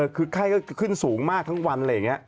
คือไข้ก็ขึ้นสูงมากทั้งวัน